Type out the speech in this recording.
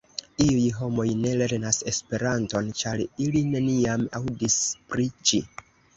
Iuj homoj ne lernas Esperanton, ĉar ili neniam aŭdis pri ĝi.